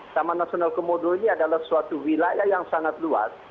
taman nasional komodo ini adalah suatu wilayah yang sangat luas